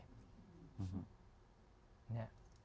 เนี่ย